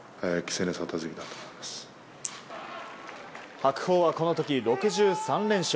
白鵬はこの時６３連勝。